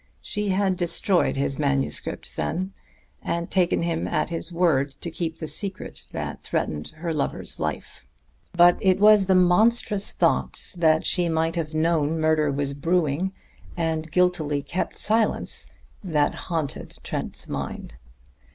She had destroyed his manuscript, then, and taken him at his word to keep the secret that threatened her lover's life. But it was the monstrous thought that she might have known murder was brewing, and guiltily kept silence, that haunted Trent's mind.